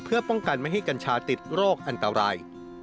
เพื่อป้องกันไม่ให้กัญชาติดโรคอันตราย